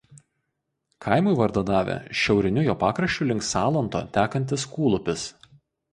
Kaimui vardą davė šiauriniu jo pakraščiu link Salanto tekantis Kūlupis.